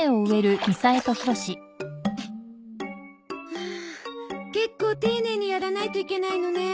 はあ結構丁寧にやらないといけないのね。